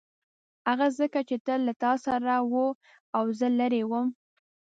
هغه ځکه چې تل له تا سره و او زه لیرې وم.